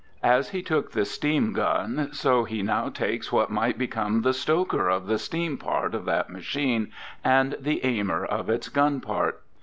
As he took the steam gun, so he now takes what might become the stoker of the steam part of that machine and the aimer of its gun part.